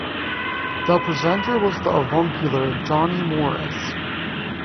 The presenter was the avuncular Johnny Morris.